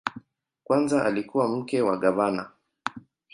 Kwanza alikuwa mke wa gavana.